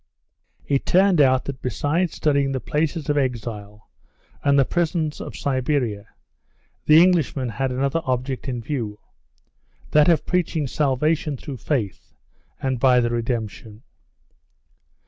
It turned out that besides studying the places of exile and the prisons of Siberia, the Englishman had another object in view, that of preaching salvation through faith and by the redemption.